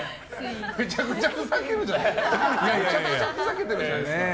めちゃくちゃふざけてるじゃないですか。